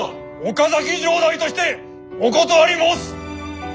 岡崎城代としてお断り申す！